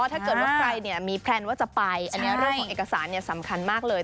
ถ้าเกิดว่าใครมีแพลนว่าจะไปอันนี้เรื่องของเอกสารสำคัญมากเลย